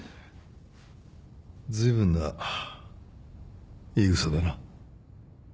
ずいぶんな言い草だな。